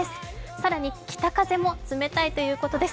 更に北風も冷たいということです。